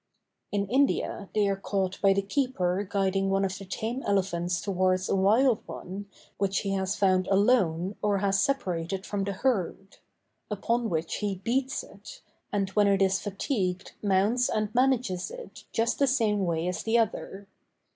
In India they are caught by the keeper guiding one of the tame elephants towards a wild one which he has found alone or has separated from the herd; upon which he beats it, and when it is fatigued mounts and manages it just the same way as the other.